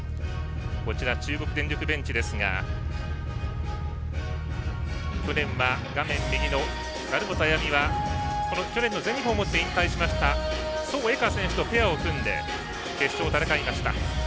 中国電力ベンチですが去年は画面右の成本綾海は去年の全日本をもって引退しました宋恵佳選手とペアを組んで、決勝を戦いました。